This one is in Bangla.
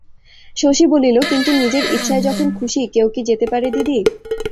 শশী বলিল, কিন্তু নিজের ইচ্ছায় যখন খুশি কেউ কি যেতে পারে দিদি?